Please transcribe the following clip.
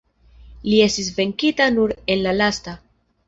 Li estis venkita nur en la lasta.